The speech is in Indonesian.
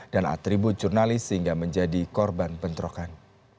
dan atribut jurnalis sehingga menjadi korban bentrokan